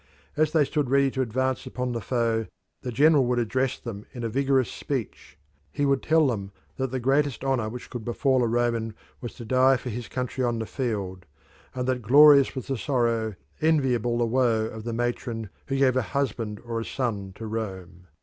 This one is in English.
As they stood ready to advance upon the foe, the general would address them in a vigorous speech; he would tell them that the greatest honour which could befall a Roman was to die for his country on the field, and that glorious was the sorrow, enviable the woe of the matron who gave a husband or a son to Rome.